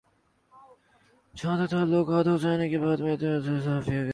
جہاں تک طلعت حسین کی بات ہے میں تو اسے صحافی ہی نہیں سمجھتا